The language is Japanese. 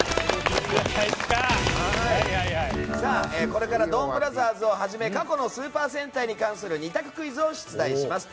これからドンブラザーズをはじめ過去のスーパー戦隊に関する２択クイズを出題します。